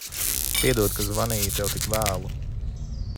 Piedod, ka zvanīju tev tik vēlu.